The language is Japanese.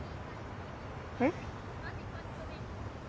えっ？